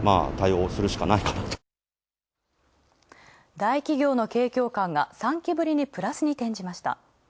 大企業の景況感が３期ぶりにプラスに転じました。